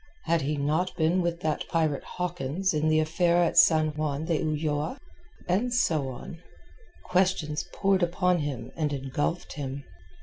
Had he not been with that pirate Hawkins in the affair at San Juan de Ulloa? And so on. Questions poured upon him and engulfed him.